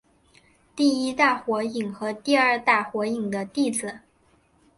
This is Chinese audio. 第一代火影和第二代火影的弟子。